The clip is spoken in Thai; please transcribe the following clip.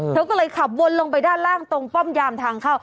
เธอก็เลยขับวนลงไปด้านล่างตรงป้อมยามทางเข้า